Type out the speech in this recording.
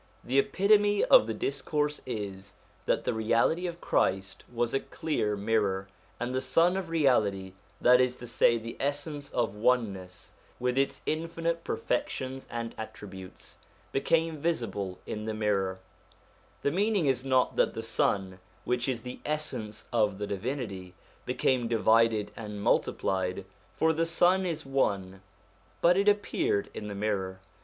The epitome of the discourse is that the Reality of Christ was a clear mirror, and the Sun of Reality, that is to say the Essence of Oneness, with its infinite 1 The Divine Manifestation. SOME CHRISTIAN SUBJECTS 131 perfections and attributes, became visible in the mirror. The meaning is not that the Sun, which is the Essence of the Divinity, became divided and multiplied ; for the Sun is one, but it appeared in the mirror.